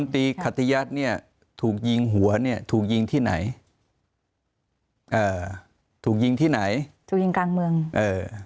ถูกยิงที่ไหนเอ่อถูกยิงที่ไหนถูกยิงกลางเมืองเอ่อ